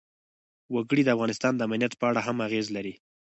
وګړي د افغانستان د امنیت په اړه هم اغېز لري.